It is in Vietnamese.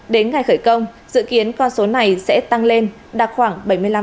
đến ngày khởi công dự kiến con số này sẽ tăng lên đạt khoảng bảy mươi năm